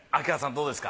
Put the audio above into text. どうですか？